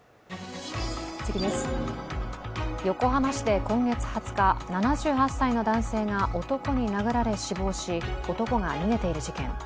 横浜市で今月２０日、７８歳の男性が男に殴られ死亡し、男が逃げている事件。